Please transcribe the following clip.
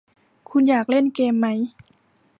คุณอยากเล่นเกมไหม